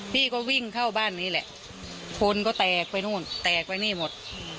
พี่ก็วิ่งเข้าบ้านนี้แหละคนก็แตกไปนู่นแตกไปนี่หมด